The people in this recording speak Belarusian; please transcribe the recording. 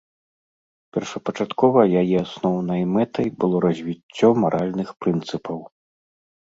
Першапачаткова яе асноўнай мэтай было развіццё маральных прынцыпаў.